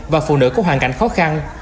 và phụ nữ có hoàn cảnh khó khăn